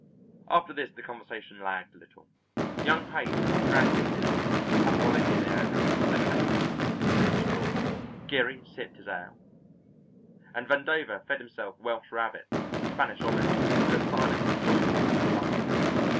After this the conversation lagged a little. Young Haight drank his Apollinaris lemonade through a straw, Geary sipped his ale, and Vandover fed himself Welsh rabbit and Spanish olives with the silent enjoyment of a glutton.